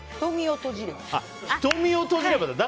瞳を閉じればだ。